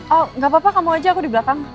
oh gapapa kamu aja aku di belakang